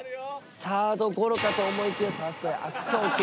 サードゴロかと思いきやファーストへ悪送球。